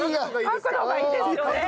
角度がいいですよね。